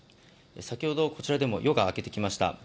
先ほどこちらでも夜が明けてきました。